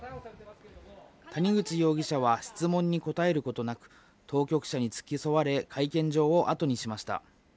谷口容疑者は質問に答えることなく、当局者に付き添われ、会見場を後にしました。